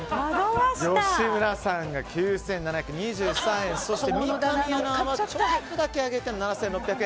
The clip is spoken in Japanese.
吉村さんが９７２３円三上アナはちょっと上げて７６００円。